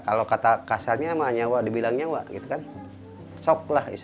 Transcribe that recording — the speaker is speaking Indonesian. kalau saya pribadi sih pengennya hukumnya istilahnya ya dihukum seberat beratnya aja